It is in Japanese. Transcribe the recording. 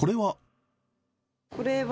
これは。